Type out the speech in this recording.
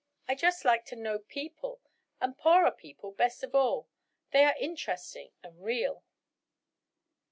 I just like to know people—and poorer people best of all. They are interesting and real."